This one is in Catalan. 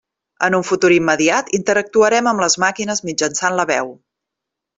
En un futur immediat interactuarem amb les màquines mitjançant la veu.